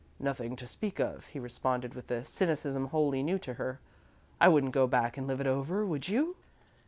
"Nothing to speak of," he responded with a cynicism wholly new to her. "I wouldn't go back and live it over, would you?"